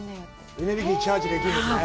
エネルギーがチャージできるんですね。